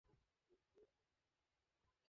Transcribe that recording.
ওর শুধু একটা সেবা শ্রুশুষার দরকার।